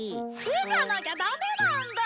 絵じゃなきゃダメなんだ！